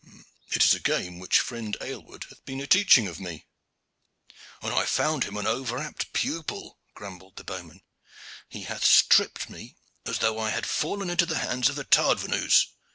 "It is a game which friend Aylward hath been a teaching of me." "And I found him an over apt pupil," grumbled the bowman. "He hath stripped me as though I had fallen into the hands of the tardvenus.